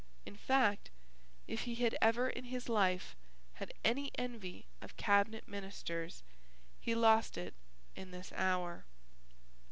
In fact, if he had ever in his life had any envy of Cabinet Ministers, he lost it in this hour.